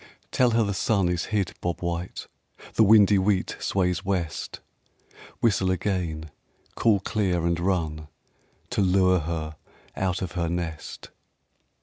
Tell her the sun is hid, bob white, The windy wheat sways west. Whistle again, call clear and run To lure her out of her nest.